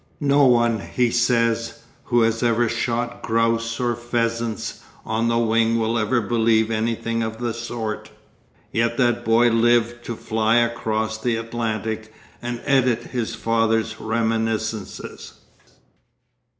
No one, he says, who has ever shot grouse or pheasants on the wing would ever believe anything of the sort....' Yet that boy lived to fly across the Atlantic and edit his father's reminiscences.